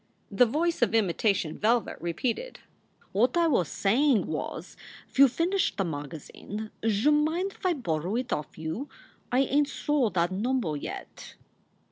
The voice of imitation velvet repeated: "What I was sayin was: few ve finished th that magazine, j mind fi bor ried it off you? I ain t sor that nummba yet."